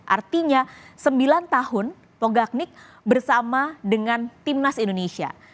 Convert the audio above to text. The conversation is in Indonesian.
artinya sembilan tahun pogaknik bersama dengan timnas indonesia